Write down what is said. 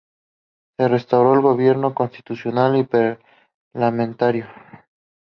Se restauró el gobierno constitucional y parlamentario.